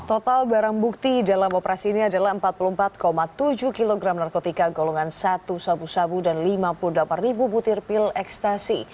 total barang bukti dalam operasi ini adalah empat puluh empat tujuh kg narkotika golongan satu sabu sabu dan lima puluh delapan butir pil ekstasi